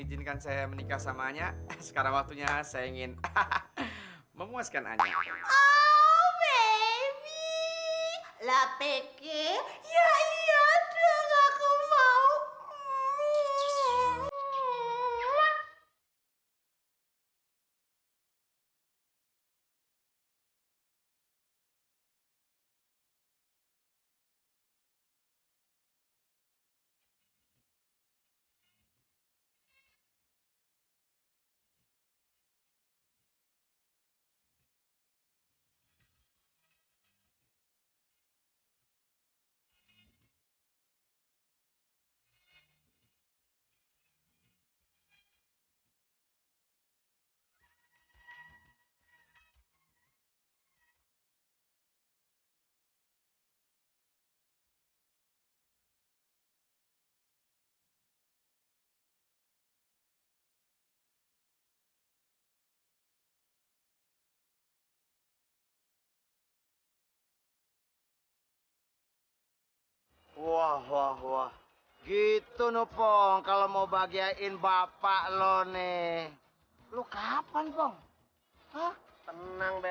springbath sih tuh gede banget enggak enggak enggak gimana ada penyembah ada lagi be